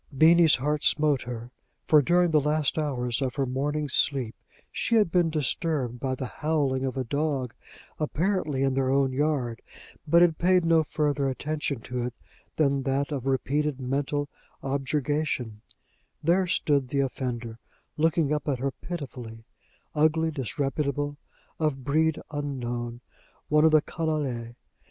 Beenie's heart smote her; for during the last hours of her morning's sleep she had been disturbed by the howling of a dog, apparently in their own yard, but had paid no further attention to it than that of repeated mental objurgation: there stood the offender, looking up at her pitifully ugly, disreputable, of breed unknown, one of the _canaille!